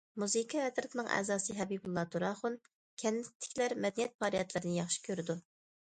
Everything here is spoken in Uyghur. مۇزىكا ئەترىتىنىڭ ئەزاسى ھەبىبۇللا تۇراخۇن: كەنتتىكىلەر مەدەنىيەت پائالىيەتلىرىنى ياخشى كۆرىدۇ.